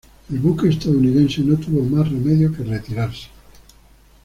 El buque estadounidense no tuvo más remedio que retirarse.